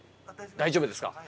大丈夫ですか。